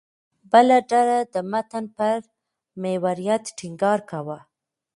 بله ډله د متن پر محوریت ټینګار کاوه.